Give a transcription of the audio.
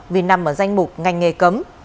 vì nằm ở danh mục ngành nghề cấm